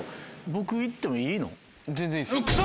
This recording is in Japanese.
僕行ってもいいの？